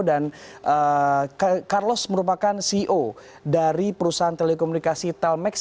dan carlos merupakan ceo dari perusahaan telekomunikasi telmex